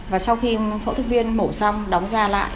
và sau khi phẫu thuật viên mổ xong đóng ra lại